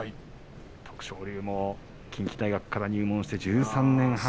徳勝龍も近畿大学から入門して１３年半。